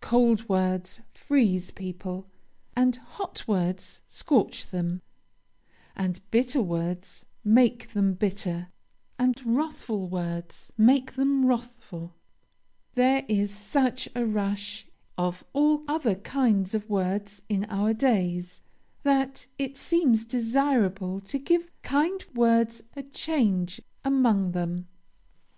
Cold words freeze people, and hot words scorch them, and bitter words make them bitter, and wrathful words make them wrathful. There is such a rush of all other kinds of words in our days, that it seems desirable to give kind words a change among them.